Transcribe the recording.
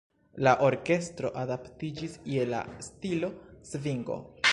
La orkestro adaptiĝis je la stilo "svingo".